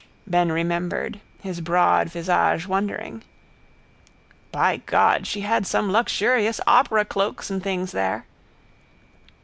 Ben remembered, his broad visage wondering. —By God, she had some luxurious operacloaks and things there.